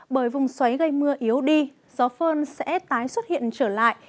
bởi vùng xoáy gây mưa yếu đi gió phơn sẽ tái xuất hiện trở lại